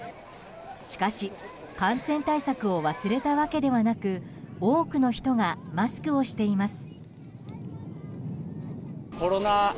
しかし感染対策を忘れたわけではなく多くの人がマスクをしています。